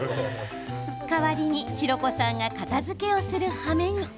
代わりに白子さんが片づけをするはめに。